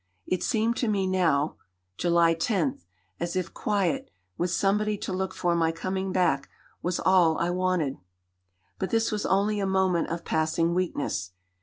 "It seemed to me now (July 10) as if quiet, with somebody to look for my coming back, was all I wanted." But this was only a moment of passing weakness.